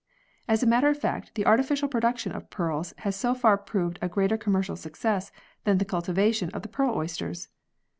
As a matter of fact, the artificial production of pearls has so far proved a greater commercial success than the culti vation of the pearl oysters.